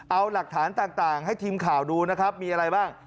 เอาหลักฐานต่างให้ทีมข่าวดูนะครับมีอะไรบ้าง